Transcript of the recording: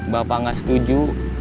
bapak gak setuju